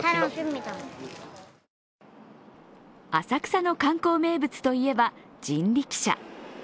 浅草の観光名物といえば人力車。